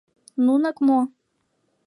Нунак мо?